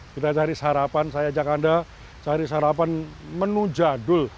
kita cari sarapan saya ajak anda cari sarapan menu jadul